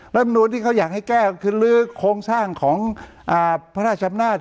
ลำนูลที่เขาอยากให้แก้ก็คือลื้อโครงสร้างของพระราชอำนาจ